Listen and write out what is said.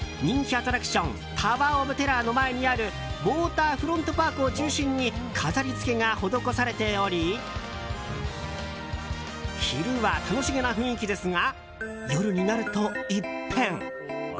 アトラクションタワー・オブ・テラーの前にあるウォーターフロントパークを中心に飾り付けが施されており昼は楽しげな雰囲気ですが夜になると一変。